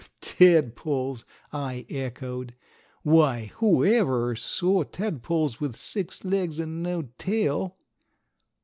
"Tadpoles!" I echoed. "Why, whoever saw tadpoles with six legs and no tail?"